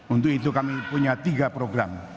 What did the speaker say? untuk itu kami punya tiga program